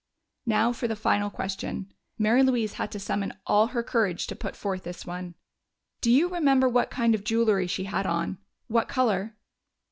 Now for the final question! Mary Louise had to summon all her courage to put forth this one. "Do you remember what kind of jewelry she had on? What color?"